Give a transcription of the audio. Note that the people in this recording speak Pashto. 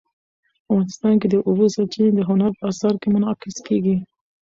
افغانستان کې د اوبو سرچینې د هنر په اثار کې منعکس کېږي.